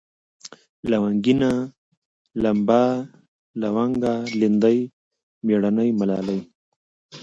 لونگينه ، لمبه ، لونگه ، ليندۍ ، مېړنۍ ، ملالۍ